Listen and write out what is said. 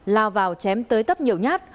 lao vào chém tới tấp nhiều nhát